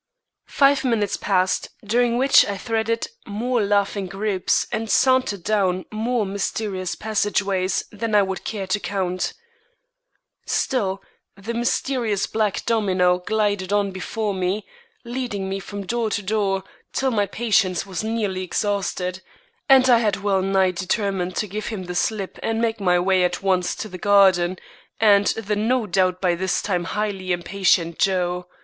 Five minutes passed, during which I threaded more laughing groups and sauntered down more mysterious passage ways than I would care to count. Still the mysterious Black Domino glided on before me, leading me from door to door till my patience was nearly exhausted, and I had well nigh determined to give him the slip and make my way at once to the garden, and the no doubt by this time highly impatient Joe.